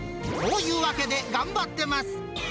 というわけで頑張ってます。